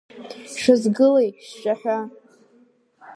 Шәызгылеи, шәшәаҳәа!